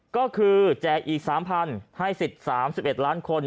ก็คือแจกอีก๓๐๐๐ให้สิทธิ์๓๑ล้านคน